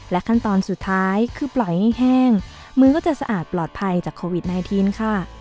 ขั้นตอนสุดท้ายคือปล่อยให้แห้งมือก็จะสะอาดปลอดภัยจากโควิด๑๙ค่ะ